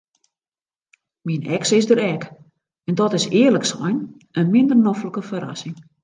Myn eks is der ek en dat is earlik sein in minder noflike ferrassing.